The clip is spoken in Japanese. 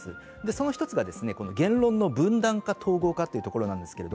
その１つが言論の分断か統合かということです。